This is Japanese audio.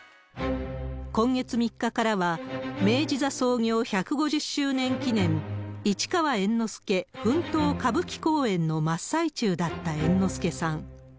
今月３日からは、明治座創業百五十周年記念市川猿之助奮闘歌舞伎公演の真っ最中だった猿之助さん。